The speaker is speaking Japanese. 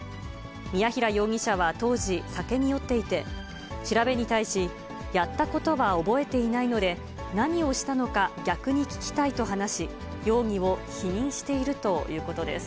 ミヤヒラ容疑者は当時、酒に酔っていて、調べに対し、やったことは覚えていないので、何をしたのか逆に聞きたいと話し、容疑を否認しているということです。